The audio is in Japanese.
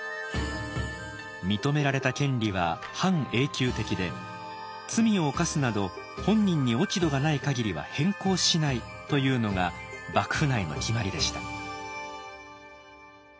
認められた権利は半永久的で罪を犯すなど本人に落ち度がない限りは変更しないというのが幕府内の決まりでした。